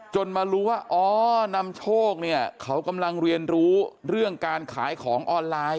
มารู้ว่าอ๋อนำโชคเนี่ยเขากำลังเรียนรู้เรื่องการขายของออนไลน์